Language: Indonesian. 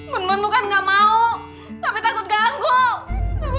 ben ben bukan ga mau tapi